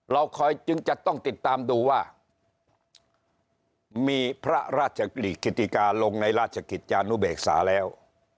คอยจึงจะต้องติดตามดูว่ามีพระราชกรีกิติกาลงในราชกิจจานุเบกษาแล้ว